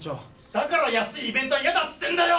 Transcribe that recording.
だから安いイベントは嫌だっつってんだよ！